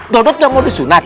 dodot kamu disunat